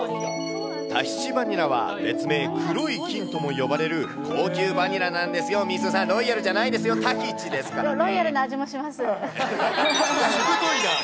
タヒチバニラは別名、黒い金とも呼ばれる、高級バニラなんですよ、みーすーさん、ロイヤルじゃないですよ、ロイヤルな味もします。